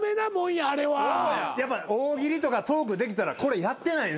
やっぱ大喜利とかトークできたらこれやってないですよ。